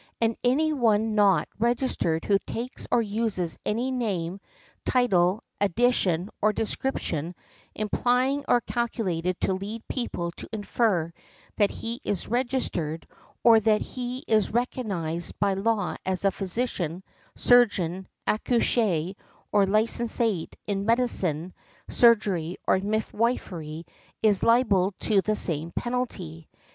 And any one not registered who takes or uses any name, title, addition or description implying or calculated to lead people to infer that he is registered, or that he is recognized by law as a physician, surgeon, accoucheur, or a licentiate in medicine, surgery or midwifery, is liable to the same penalty.